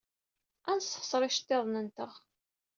Ad nessexṣer iceḍḍiḍen-nteɣ.